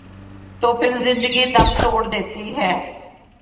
تو پھر زندگی دم توڑ دیتی ہے۔